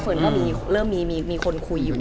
เฟิร์นก็เริ่มมีคนคุยอยู่